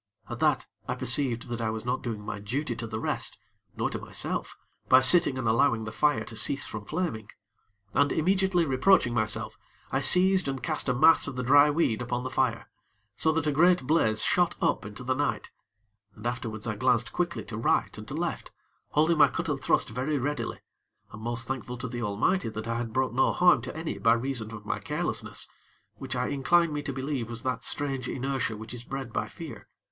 At that, I perceived that I was not doing my duty to the rest, nor to myself, by sitting and allowing the fire to cease from flaming; and immediately reproaching myself, I seized and cast a mass of the dry weed upon the fire, so that a great blaze shot up into the night, and afterwards I glanced quickly to right and to left, holding my cut and thrust very readily, and most thankful to the Almighty that I had brought no harm to any by reason of my carelessness, which I incline me to believe was that strange inertia which is bred by fear.